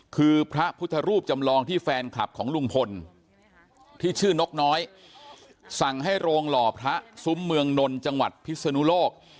คือพระพุทธรูปจำลองที่แฟนคลับของลุงพลที่ชื่อนกน้อยสั่งให้โรงหล่อพระซุ้มเมืองนนท์จังหวัดพิศนุโลก